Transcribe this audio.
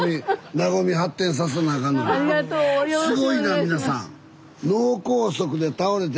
すごいな皆さん！